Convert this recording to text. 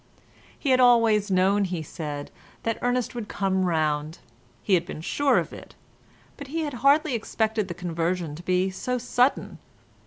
He had always known, he said, that Ernest would come round; he had been sure of it, but he had hardly expected the conversion to be so sudden.